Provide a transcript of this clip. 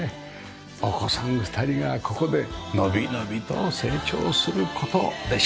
お子さん２人がここで伸び伸びと成長する事でしょう。